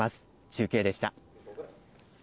中継でした。